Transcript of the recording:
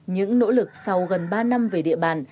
những nỗ lực sau gần ba năm về địa bàn